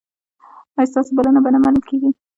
ایا ستاسو بلنه به نه منل کیږي؟